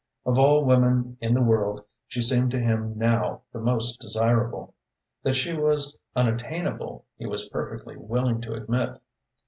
Of all women in the world she seemed to him now the most desirable. That she was unattainable he was perfectly willing to admit.